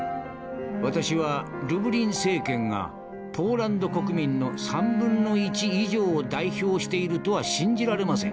「私はルブリン政権がポーランド国民の３分の１以上を代表しているとは信じられません。